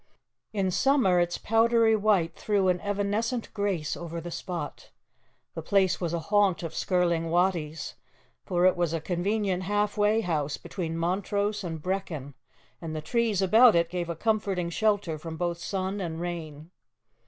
In summer its powdery white threw an evanescent grace over the spot. The place was a haunt of Skirling Wattie's, for it was a convenient half way house between Montrose and Brechin, and the trees about it gave a comforting shelter from both sun and rain.